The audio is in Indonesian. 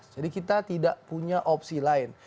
jadi kita tidak punya opsi lain